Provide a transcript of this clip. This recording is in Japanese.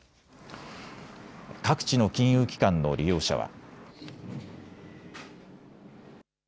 各地の金融機関の利用者は。